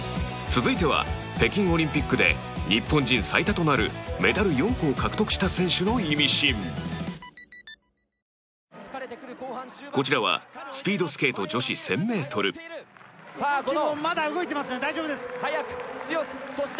続いては、北京オリンピックで日本人最多となるメダル４個を獲得した選手のイミシンこちらは、スピードスケート女子１０００ｍ解説：まだ動いてますね大丈夫です。